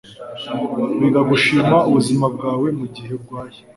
Wiga gushima ubuzima bwawe mugihe urwaye